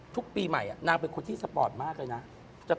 ทุกปีใหม่นางเป็นคนที่สปอร์ตมากเลยนะ